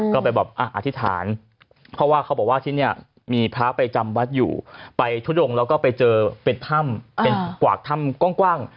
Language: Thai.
ก็ไปแบบอธิษฐานเพราะว่าเขาบอกว่าที่นี่มีพระไปจำวัดอยู่ไปทุดงแล้วก็ไปเจอเป็นถ้ำเป็นกวากถ้ำกว้าง